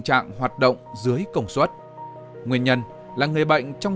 trạng hoạt động dưới công suất nguyên nhân là người bệnh trong